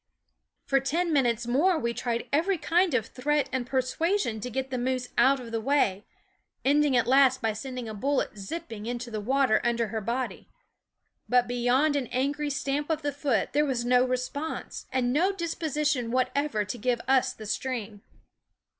For ten minutes more we tried every kind of threat and persuasion to get the moose out of the way, ending at last by sending a bullet zipping into the water under her body; but beyond an angry stamp of the foot there was no response, and no disposi tion whatever to give us the stream.